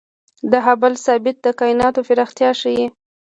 د هبل ثابت د کائناتو پراختیا ښيي.